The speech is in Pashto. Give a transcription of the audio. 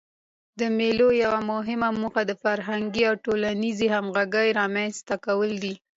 د مېلو یوه مهمه موخه د فرهنګي او ټولنیزي همږغۍ رامنځ ته کول دي.